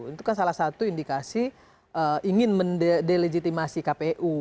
itu kan salah satu indikasi ingin mendelegitimasi kpu